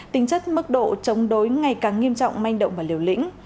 tính chất mức độ chống đối ngày càng nghiêm trọng manh động và liều lĩnh